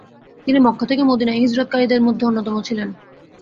তিনি মক্কা থেকে মদিনায় হিজরতকারীদের মধ্যে অন্যতম ছিলেন।